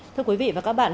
thưa quý vị và các bạn